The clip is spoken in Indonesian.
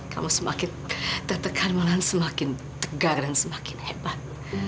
kamu semakin tertekan malahan semakin tegar dan semakin hebat